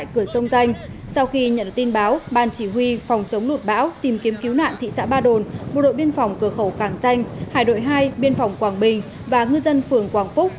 bộ đội biên phòng cửa khẩu càng xanh hải đội hai biên phòng quảng bình và ngư dân phường quảng phúc